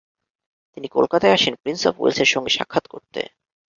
তিনি কলকাতায় আসেন প্রিন্স অব ওয়েলসের সঙ্গে সাক্ষাৎ করতে।